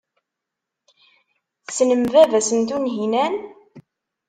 Tessnem baba-s n Tunhinan.